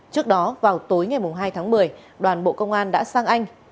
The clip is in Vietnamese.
trước đó vào tối ngày hai tháng một mươi đoàn bộ công an đã sang anh